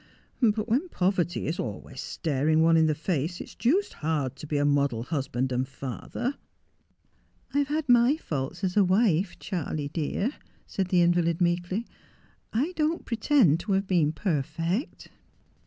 ' But when poverty is always staring one in the face, it's deuced hard to be a model husband and father.' ' I have had my faults as a wife, Charley dear,' said the invalid meekly. ' I don't pretend to have been perfect.'